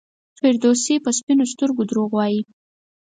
فردوسي په سپینو سترګو دروغ وایي.